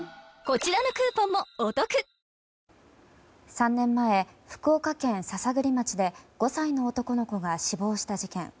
３年前、福岡県篠栗町で５歳の男の子が死亡した事件。